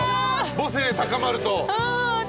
母性高まると。